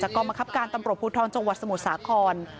จากกองมะคับการตำรวจภูทรรณ์จังหวัดสมุทรสาคร